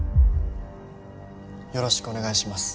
よろしくお願いします